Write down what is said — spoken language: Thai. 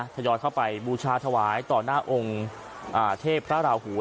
ทยอยเข้าไปบูชาถวายต่อหน้าองค์เทพพระราหู